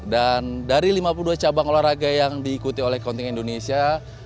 dan dari lima puluh dua cabang luar raga yang diikuti oleh counting indonesia